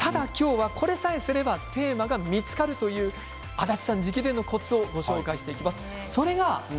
ただこれさえすればテーマが見つかるという安達さん直伝のコツをご紹介していきます。